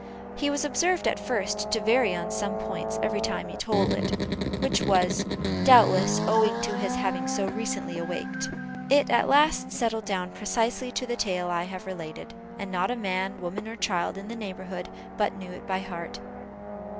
He was observed, at first, to vary on some points every time he told it, which was, doubtless, owing to his having so recently awaked. It at last settled down precisely to the tale I have related, and not a man, woman, or child in the neighborhood, but knew it by heart.